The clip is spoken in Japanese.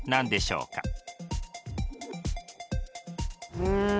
うん。